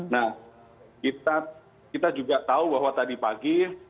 nah kita juga tahu bahwa tadi pagi